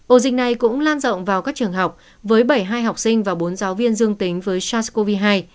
ổ dịch này cũng lan rộng vào các trường học với bảy mươi hai học sinh và bốn giáo viên dương tính với sars cov hai